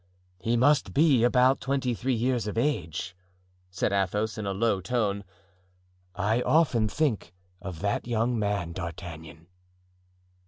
"He must be about twenty three years of age," said Athos, in a low tone. "I often think of that young man, D'Artagnan."